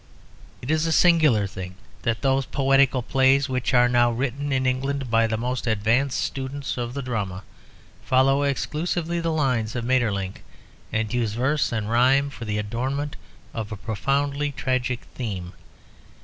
It is a singular thing that those poetical plays which are now written in England by the most advanced students of the drama follow exclusively the lines of Maeterlinck, and use verse and rhyme for the adornment of a profoundly tragic theme.